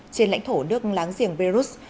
trên lãnh thổ nước láng giềng belarus